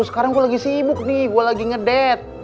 sekarang gue lagi sibuk nih gue lagi ngedet